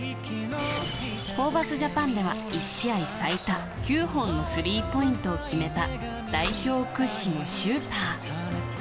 ホーバスジャパンでは１試合最多９本のスリーポイントを決めた代表屈指のシューター。